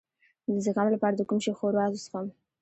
د زکام لپاره د کوم شي ښوروا وڅښم؟